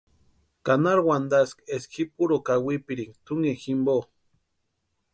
¿Ka nari wantaski eska ji puro kawipirinka tʼunkini jimpo?